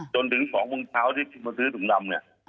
จนถึง๒โมงเช้าที่มาซื้อถุงดำเนี่ย